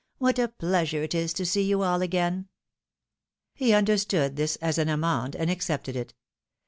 — ^what a pleasm e it is to see you aU again !" He understood this as an amende, and accepted it.